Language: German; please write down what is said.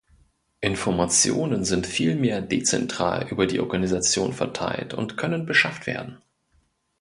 Informationen sind vielmehr dezentral über die Organisation verteilt und können beschafft werden.